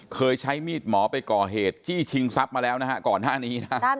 เคยใช้มีดหมอไปก่อเหตุจี้ชิงทรัพย์มาแล้วนะฮะก่อนหน้านี้นะครับ